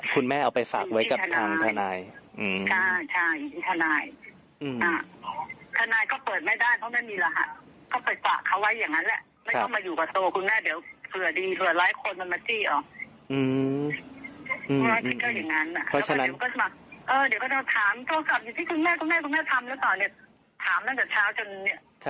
ว่าต้องไปจากเขาไว้อย่างนั้นแหละไม่ต้องมาอยู่ตรงโทว่าแพร่ดีหลายคนมันมาจี้ออก